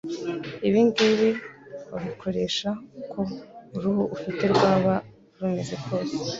Ibi ngibi wabikoresha uko uruhu ufite rwaba rumeze kose